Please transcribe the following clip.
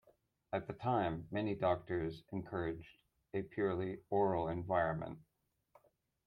At the time, many doctors encouraged a purely oral environment.